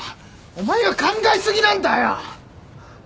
お前は考え過ぎなんだよ！